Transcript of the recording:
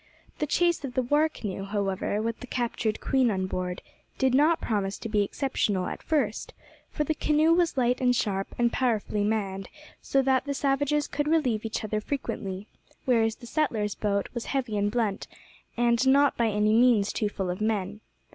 The chase of the war canoe, however, with the captured queen on board, did not promise to be exceptional at first, for the canoe was light and sharp, and powerfully manned, so that the savages could relieve each other frequently, whereas the settlers' boat was heavy and blunt, and not by any means too full of men.